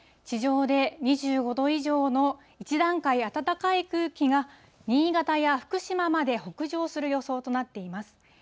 地上で２５度以上の１段階暖かい空気が、新潟や福島まで北上する予想となっています。